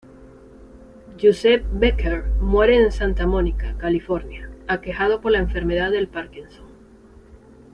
Joseph Becker muere en Santa Mónica, California, aquejado por la enfermedad del Parkinson.